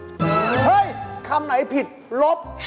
เฮ้ยคำไหนผิดลบ